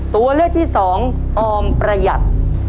ตัวเลือกที่สองออมประหยัด